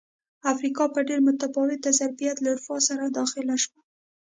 افریقا په ډېر متفاوت ظرفیت له اروپا سره داخله شوه.